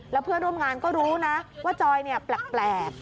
แล้วเพื่อนร่วมงานก็รู้นะว่าจอยแปลก